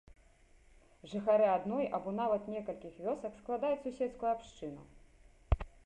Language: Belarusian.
Жыхары адной або нават некалькіх вёсак складаюць суседскую абшчыну.